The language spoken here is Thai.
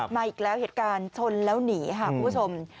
มาอีกแล้วเหตุการณ์ชนแล้วหนีค่ะคุณผู้ชม